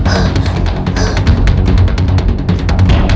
sebagai pembawa ke dunia